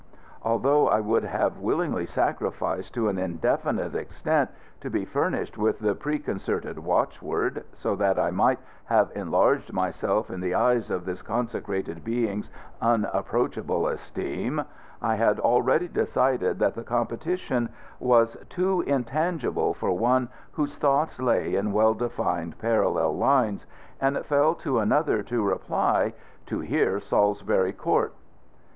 Although I would have willingly sacrificed to an indefinite extent to be furnished with the preconcerted watchword, so that I might have enlarged myself in the eyes of this consecrated being's unapproachable esteem, I had already decided that the competition was too intangible for one whose thoughts lay in well defined parallel lines, and it fell to another to reply, "To hear Salisbury Court."